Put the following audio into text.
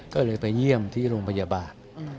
ก็เลยไปเยี่ยมที่โรงพยาบาล